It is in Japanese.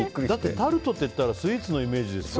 タルトって言ったらスイーツのイメージですよね。